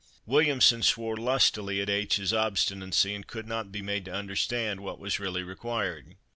Williamson swore lustily at H 's obstinacy, and could not be made to understand what was really required.